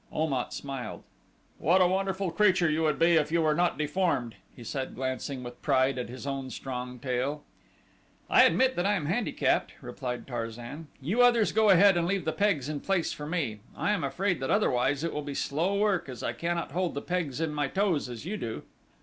Om at smiled. "What a wonderful creature you would be if you were not deformed," he said, glancing with pride at his own strong tail. "I admit that I am handicapped," replied Tarzan. "You others go ahead and leave the pegs in place for me. I am afraid that otherwise it will be slow work as I cannot hold the pegs in my toes as you do."